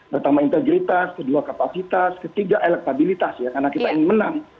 pertama integritas kedua kapasitas ketiga elektabilitas ya karena kita ingin menang